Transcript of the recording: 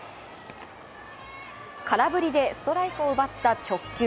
空振りでストライクを奪った速球。